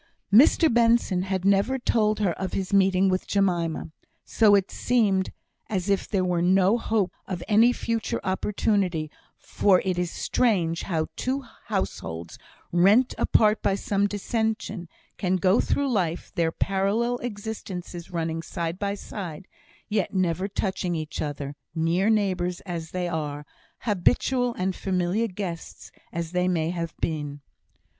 Mr Benson had never told her of his meeting with Jemima; so it seemed as if there were no hope of any future opportunity: for it is strange how two households, rent apart by some dissension, can go through life, their parallel existences running side by side, yet never touching each other, near neighbours as they are, habitual and familiar guests as they may have been.